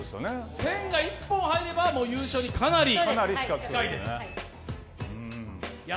１０００が１本入ればかなり優勝に近いです。